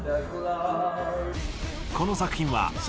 この作品はｓ＊＊